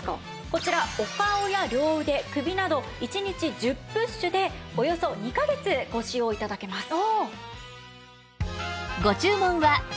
こちらお顔や両腕首など１日１０プッシュでおよそ２カ月ご使用頂けます。